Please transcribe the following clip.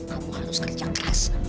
kamu harus kerja keras